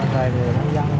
thời người lâm đồng